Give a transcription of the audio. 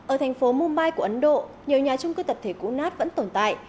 ở thành phố mumbai của ấn độ nhiều nhà trung cư tập thể cũ nát vẫn tồn tại